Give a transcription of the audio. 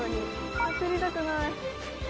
走りたくない。